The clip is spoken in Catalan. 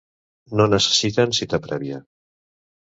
No necessiten cita prèvia.